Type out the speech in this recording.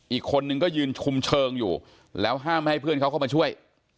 อีกคนนึงก็ยืนชุมเชิงอยู่แล้วห้ามไม่ให้เพื่อนเขาเข้ามาช่วย